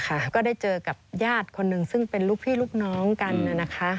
ก็ได้เจอกับญาติคนหนึ่งซึ่งเป็นลูกพี่ลูกน้องกันนะคะ